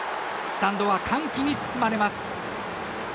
スタンドは歓喜に包まれます。